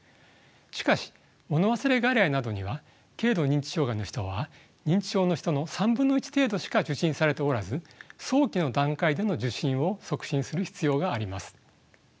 しかしもの忘れ外来などには軽度認知障害の人は認知症の人の３分の１程度しか受診されておらず早期の段階での受診を促進する必要があります。